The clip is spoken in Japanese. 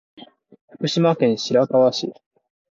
福島県白河市